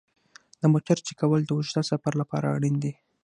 د موټر چک کول د اوږده سفر لپاره اړین دي.